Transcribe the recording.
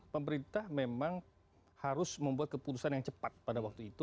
pemerintah memang harus membuat keputusan yang cepat pada waktu itu